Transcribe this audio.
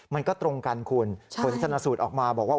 มันก็ตรงกันคุณผลชนสูตรออกมาบอกว่า